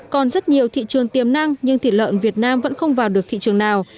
còn rất nhiều thị trường tiềm năng nhưng thịt lợn việt nam vẫn không vào được thị trường nào